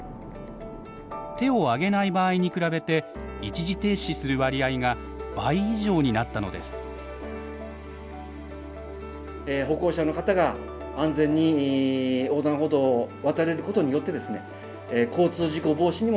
手を上げない場合に比べて一時停止する割合が倍以上になったのです。